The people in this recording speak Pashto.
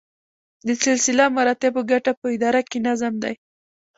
د سلسله مراتبو ګټه په اداره کې نظم دی.